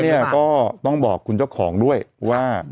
เพราะฉะนั้นเนี่ยก็ต้องบอกคุณเจ้าของด้วยว่า